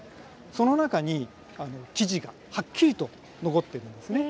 その中に記事がはっきりと残ってるんですね。